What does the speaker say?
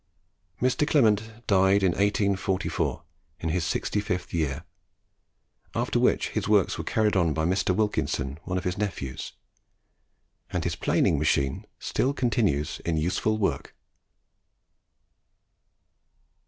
Mr. Clement died in 1844, in his sixty fifth year; after which his works were carried on by Mr. Wilkinson, one of his nephews; and his planing machine still continues in useful work.